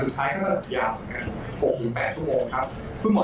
สุดท้ายก็เร็ว๖๘ชั่วโมง